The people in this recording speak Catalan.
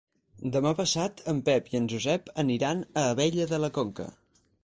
Demà passat en Pep i en Josep aniran a Abella de la Conca.